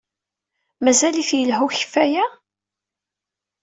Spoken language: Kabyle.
Mazal-it yelha ukeffay-a?